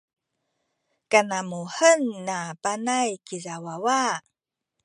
kanamuhen na Panay kiza wawa.